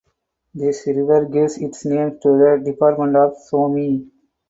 This river gives its name to the department of Somme.